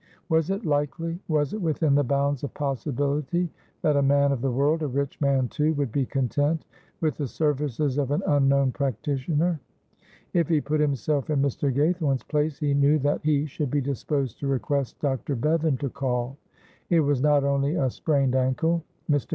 Was it likely was it within the bounds of possibility that a man of the world a rich man too would be content with the services of an unknown practitioner? If he put himself in Mr. Gaythorne's place, he knew that he should be disposed to request Dr. Bevan to call. It was not only a sprained ankle. Mr.